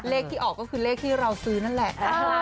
เลขที่ออกก็คือเลขที่เราซื้อนั่นแหละ